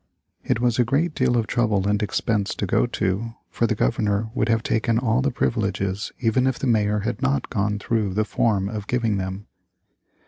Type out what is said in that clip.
It was a great deal of trouble and expense to go to, for the Governor would have taken all the privileges, even if the Mayor had not gone through the form of giving them.